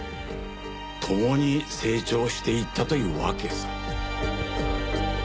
共に成長していったというわけさ。